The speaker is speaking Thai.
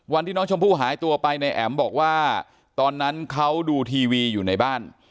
วันที่น้องชมพู่หายตัวไปในแอ๋มบอกว่าตอนนั้นเขาดูทีวีอยู่ในบ้าน